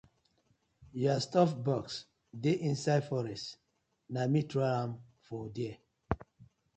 Yur snuff bosx dey inside forest, na me trow am for there.